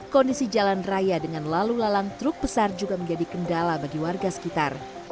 kondisi jalan raya dengan lalu lalang truk besar juga menjadi kendala bagi warga sekitar